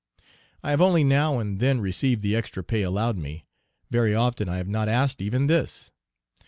I have only now and then received the extra pay allowed me; very often I have not asked even this.